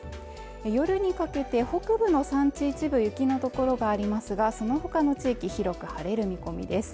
夜にかけて北部の山地一部雪の所がありますがそのほかの地域広く晴れる見込みです